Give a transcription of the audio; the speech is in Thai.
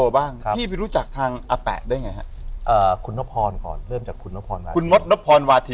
ได้ไงฮะเอ่อคุณนพรก่อนเริ่มจากคุณนพรคุณมดนพรวาทิน